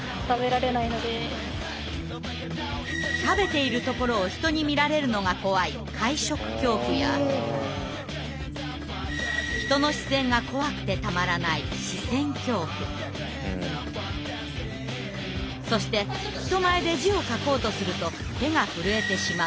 食べているところを人に見られるのが怖い人の視線が怖くてたまらないそして人前で字を書こうとすると手が震えてしまう書痙など。